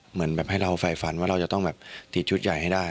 เหมือนแบบให้เราไฟฝันว่าเราจะต้องแบบติดชุดใหญ่ให้ได้